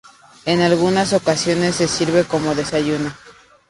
En algunas ocasiones se sirve como desayuno.